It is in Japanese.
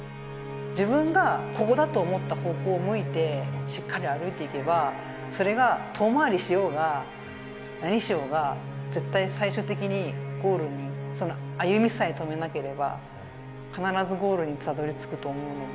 自分がここだと思った方向を向いてしっかり歩いていけばそれが、遠回りしようが何しようが絶対、最終的にゴールに歩みさえ止めなければ必ず、ゴールにたどり着くと思うので。